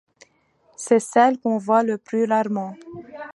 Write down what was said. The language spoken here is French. C'est celle qu'on voit le plus rarement.